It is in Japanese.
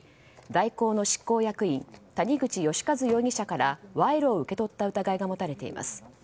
大広の執行役員谷口義一容疑者から賄賂を受け取った疑いが持たれています。